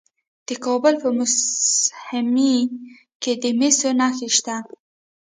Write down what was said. د کابل په موسهي کې د مسو نښې شته.